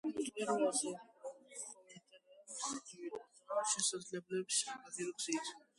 მწვერვალზე მოხვედრა ადვილადაა შესაძლებელი საბაგირო გზით.